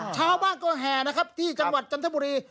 ชาวบ้านกว่าแห่ที่จังหวัดจันทบุรี